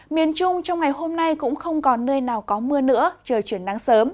miền trung trong ngày hôm nay cũng không còn nơi nào có mưa nữa trời chuyển nắng sớm